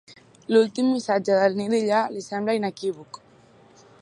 L'últim missatge del Nil Illa li sembla inequívoc.